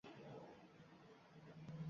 Olar qalbim yog‘du-nur